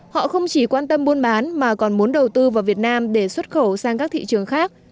họ không chỉ quan tâm buôn bán mà còn muốn đầu tư vào việt nam để xuất khẩu sang các thị trường khác